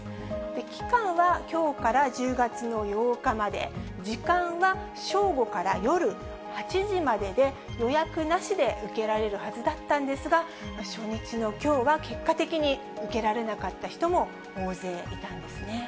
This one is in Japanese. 期間は、きょうから１０月の８日まで、時間は正午から夜８時までで、予約なしで受けられるはずだったんですが、初日のきょうは、結果的に受けられなかった人も大勢いたんですね。